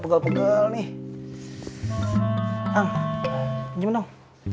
lu sebelah mana bang